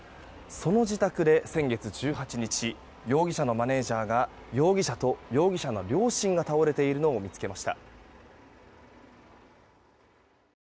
その自宅で先月１８日容疑者のマネジャーが容疑者と容疑者の両親が倒れているのを見つけました。